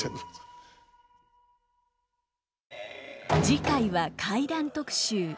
次回は怪談特集。